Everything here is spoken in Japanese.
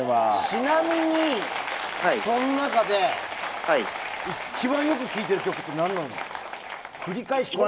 ちなみに、その中で一番よく聞いている曲は何ですか？